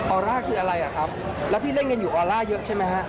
อร่าคืออะไรอ่ะครับแล้วที่เล่นกันอยู่ออร่าเยอะใช่ไหมฮะ